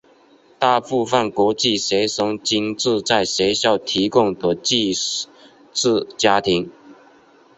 大部分国际学生均住在学校提供的寄住家庭。